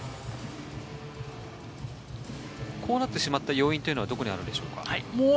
こうなってしまった要因はどこにありますか？